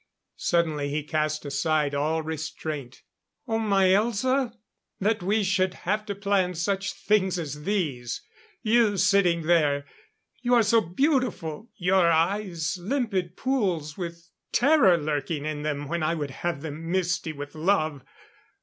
Suddenly he cast aside all restraint. "Oh, my Elza that we should have to plan such things as these! You, sitting there you are so beautiful! Your eyes limpid pools with terror lurking in them when I would have them misty with love!